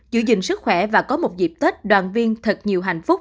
giữ gìn sức khỏe và có một dịp tết đoàn viên thật nhiều hạnh phúc